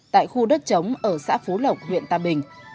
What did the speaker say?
tại khu đất chống ở xã phú lộc huyện tam bình